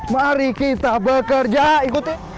mari kita bekerja ikutin